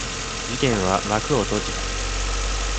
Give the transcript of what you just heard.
事件は幕を閉じた。